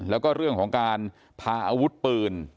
แล้วก็เรื่องของการพาอาวุธปืน